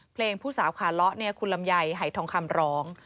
ผู้สาวขาเลาะคุณลำไยหายทองคำร้อง